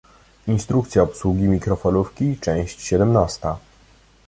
Instrukcja obsługi mikrofalówki, część siedemnasta.